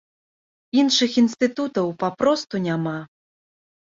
Іншых інстытутаў папросту няма.